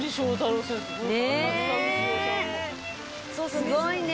すごいね。